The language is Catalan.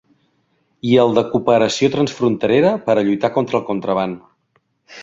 I el de cooperació transfronterera per a lluitar contra el contraban.